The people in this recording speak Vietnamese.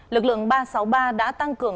lực lượng ba trăm sáu mươi ba đã tăng cường